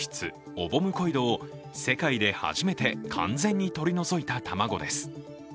オボムコイドを世界で初めて完全に取り除いた卵です。